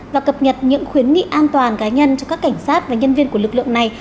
và cập nhật những khuyến nghị an toàn cá nhân cho các cảnh sát và nhân viên của lực lượng này